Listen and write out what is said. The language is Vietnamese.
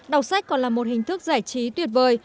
đọc sách còn là một hình thức giải trí tuyệt vời